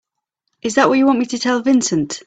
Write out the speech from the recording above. Is that what you want me to tell Vincent?